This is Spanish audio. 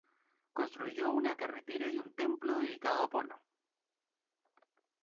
Construyó una carretera y un templo dedicado a Apolo.